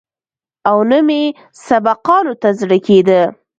او نه مې سبقانو ته زړه کېده.